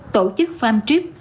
tổ chức farm trip